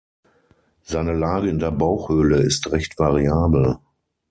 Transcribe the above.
Seine Lage in der Bauchhöhle ist recht variabel.